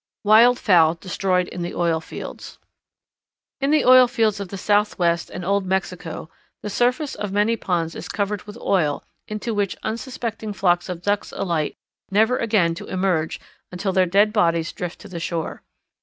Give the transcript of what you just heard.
Wild Fowl Destroyed in the Oil Fields. In the oil fields of the Southwest and old Mexico the surface of many ponds is covered with oil into which unsuspecting flocks of Ducks alight never again to emerge until their dead bodies drift to the shore.